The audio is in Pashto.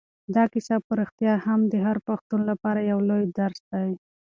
دا کیسه په رښتیا هم د هر پښتون لپاره یو لوی درس دی.